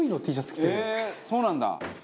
そうなんだ。